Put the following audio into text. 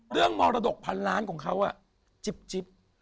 เรื่องมรดกพันล้านของเขาจิบ